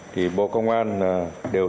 thì bộ công an đều